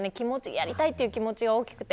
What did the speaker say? やりたいという気持ちが大きくて。